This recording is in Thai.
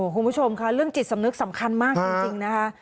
คุณผู้ชมค่ะเรื่องจิตสำนึกสำคัญมากจริงนะคะ